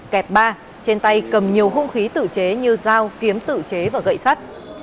kẹp ba trên tay cầm nhiều hung khí tự chế như dao kiếm tự chế và gậy sắt